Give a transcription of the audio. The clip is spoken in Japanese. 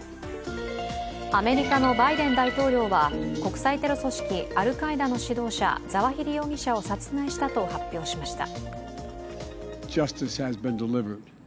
アメリカのバイデン大統領は国際テロ組織アルカイダの指導者、ザワヒリ容疑者を殺害したと発表しました。